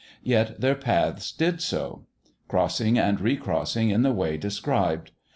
Yet their paths did so, crossing and recrossing in the way described.